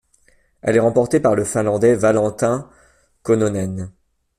Elle est remportée par le Finlandais Valentin Kononen.